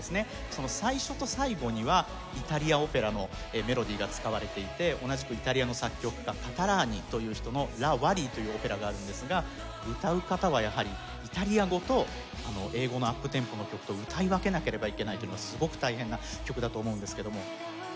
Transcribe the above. その最初と最後にはイタリアオペラのメロディーが使われていて同じくイタリアの作曲家カタラーニという人の『ラ・ワリー』というオペラがあるんですが歌う方はやはりイタリア語と英語のアップテンポの曲と歌い分けなければいけないというのがすごく大変な曲だと思うんですけども。